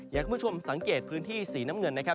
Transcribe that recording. อยากให้คุณผู้ชมสังเกตพื้นที่สีน้ำเงินนะครับ